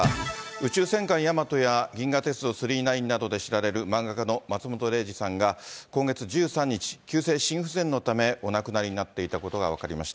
宇宙戦艦ヤマトや銀河鉄道９９９などで知られる漫画家の松本零士さんが、今月１３日、急性心不全のためお亡くなりになっていたことが分かりました。